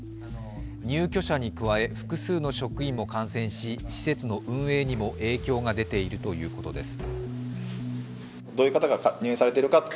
入居者に加え、複数の職員も感染し施設の運営にも影響が出ているということです。